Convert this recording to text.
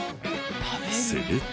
すると。